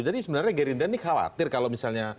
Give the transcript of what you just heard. jadi sebenarnya gerinda ini khawatir kalau misalnya